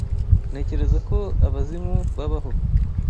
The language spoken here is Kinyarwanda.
Ntekereza ko abazimu babaho.